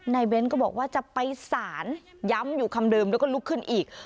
เบ้นก็บอกว่าจะไปสารย้ำอยู่คำเดิมแล้วก็ลุกขึ้นอีก